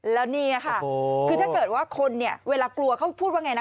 แล้วนี่ค่ะคือถ้าเกิดว่าคนเนี่ยเวลากลัวเขาพูดว่าไงนะ